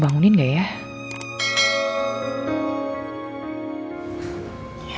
tuanku tuh weten zen reputation nya